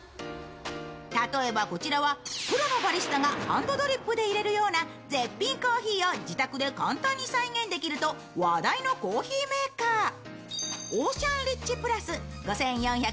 例えば、こちらはプロのバリスタがハンドドリップでいれるような絶品コーヒーを自宅で簡単に再現できると話題のコーヒーメーカー。